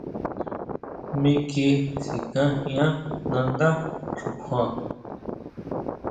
Miki sikajian nandá xukjuan.